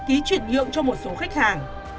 ý chuyển dựng cho một số khách hàng